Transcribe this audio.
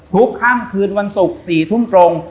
ค่ำคืนวันศุกร์๔ทุ่มตรง